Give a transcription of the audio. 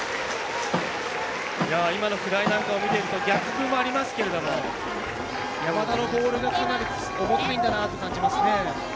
今のフライを見ていても逆風もありますけれども山田のボールが、かなり重たいんだなと感じますね。